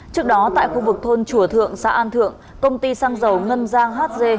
trước đó tại khu vực thôn chùa thượng xã an thượng công ty xăng dầu ngân giang hz